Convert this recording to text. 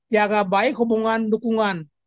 jaga baik hubungan dukungan